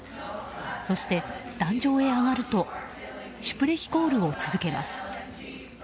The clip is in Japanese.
そして、壇上へ上がるとシュプレヒコールを続けます。